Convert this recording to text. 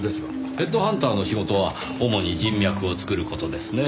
ヘッドハンターの仕事は主に人脈を作る事ですねぇ。